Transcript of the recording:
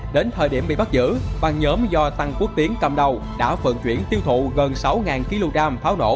đến thời điểm bị bắt giữ bằng nhóm do tăng quốc tiến cầm đầu đã vận chuyển tiêu thụ gần sáu kg đam pháo nổ